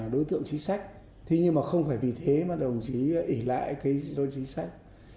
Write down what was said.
đạt chiến sĩ thi đua cấp cơ sở